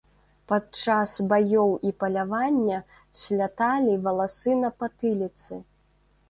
Падчас баёў і палявання спляталі валасы на патыліцы.